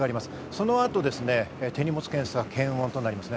そのあと手荷物検査、検温となります。